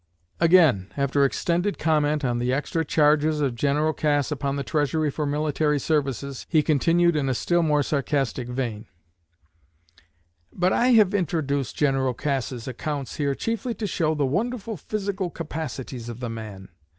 '" Again, after extended comment on the extra charges of General Cass upon the Treasury for military services, he continued in a still more sarcastic vein: "But I have introduced General Cass's accounts here chiefly to show the wonderful physical capacities of the man.